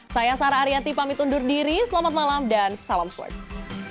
saya sarah ariyati pamit undur diri selamat malam dan salam sports